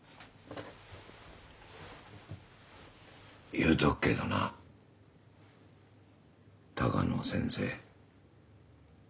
言うとくけどな鷹野先生。